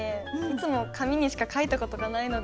いつも紙にしか書いた事がないので。